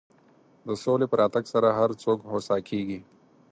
د سولې په راتګ سره هر څوک هوسا کېږي.